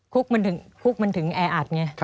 คุกมันถึงแออัต